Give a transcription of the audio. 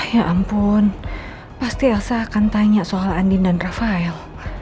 ya ampun pasti aksa akan tanya soal andin dan rafael